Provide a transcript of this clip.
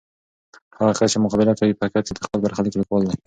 هغه کس چې مقابله کوي، په حقیقت کې د خپل برخلیک لیکوال دی.